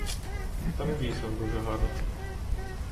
Там дійсно дуже гарно.